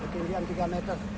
ketinggian tiga meter